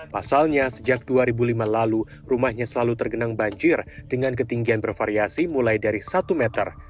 pasalnya sejak dua ribu lima lalu rumahnya selalu tergenang banjir dengan ketinggian bervariasi mulai dari satu meter